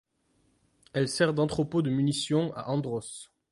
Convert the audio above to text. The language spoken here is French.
Elle sert d'entrepôt de munitions à Andross.